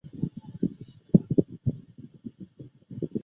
布拉德福德市政厅以其的钟楼地标而着称。